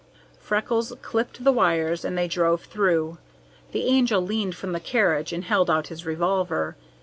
Freckles clipped the wires and they drove through. The Angel leaned from the carriage and held out his revolver.